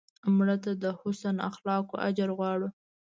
مړه ته د حسن اخلاقو اجر غواړو